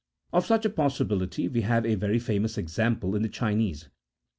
Of such a possibility we have a very famous example in the Chinese.